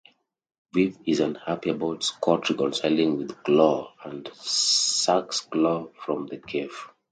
Viv is unhappy about Scott reconciling with Chloe and sacks Chloe from the cafe.